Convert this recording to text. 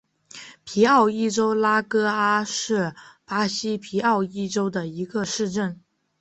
皮奥伊州拉戈阿是巴西皮奥伊州的一个市镇。